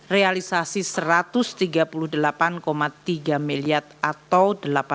realisasi satu ratus tiga puluh delapan tiga miliar atau delapan